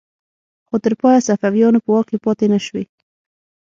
خو تر پایه صفویانو په واک کې پاتې نشوې.